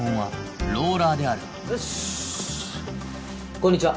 こんにちは！